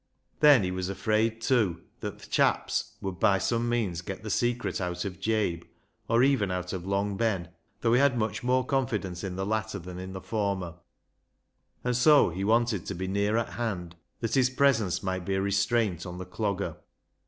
Then he was afraid, too, that " th' chaps " would by some means get the secret out of Jabe, or even out of Long Ben, though he had much more confidence in the latter than in the former. And so he wanted to be near at hand, that his presence might be a restraint on the C logger.